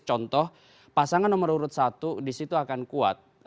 contoh pasangan nomor urut satu disitu akan kuat